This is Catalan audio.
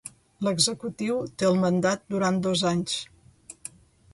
L'executiu té el mandat durant dos anys.